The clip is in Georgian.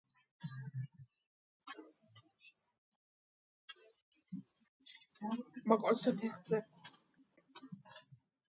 ტოლკინის დაუსრულებელი ლექსი, რომელიც მეფე ართურის ლეგენდას უკავშირდება.